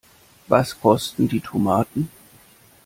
Was kosten die Tomaten?